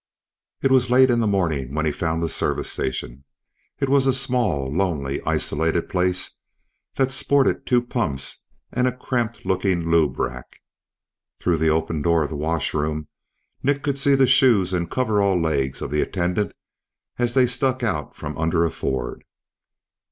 It was late in the morning when he found the service station. It was a small, lonely, isolated place that sported two pumps and cramped looking lube rack. Through the open door of the washroom, Nick could see the shoes and coverall legs of the attendant as they stuck out from under a Ford.